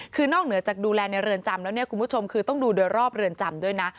คือนอกเหนือจากดูแลในเรือนจำแล้วเนี่ยคุณผู้ชมคือต้องดูโดยรอบเรือนจำด้วยนะ